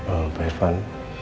oh pak irfan